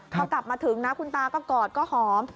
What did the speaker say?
พอกลับมาถึงนะคุณตาก็กอดก็หอม